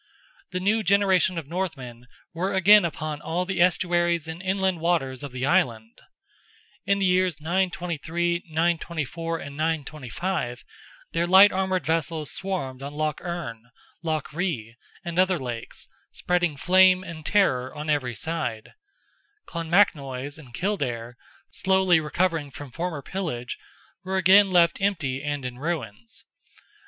The new generation of Northmen were again upon all the estuaries and inland waters of the Island. In the years 923 4 and 5, their light armed vessels swarmed on Lough Erne, Lough Ree, and other lakes, spreading flame and terror on every side. Clonmacnoise and Kildare, slowly recovering from former pillage, were again left empty and in ruins.